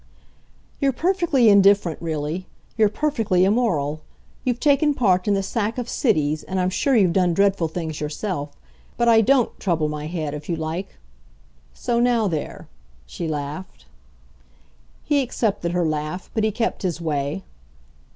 "You're perfectly indifferent, really; you're perfectly immoral. You've taken part in the sack of cities, and I'm sure you've done dreadful things yourself. But I DON'T trouble my head, if you like. 'So now there!'" she laughed. He accepted her laugh, but he kept his way.